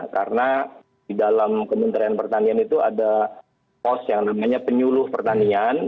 karena di dalam kementerian pertanian itu ada pos yang namanya penyuluh pertanian